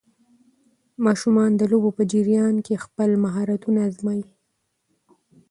ماشومان د لوبو په جریان کې خپل مهارتونه ازمويي.